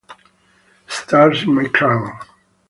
Stars in My Crown